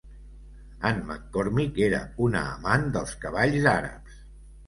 Anne McCormick era una amant dels cavalls àrabs.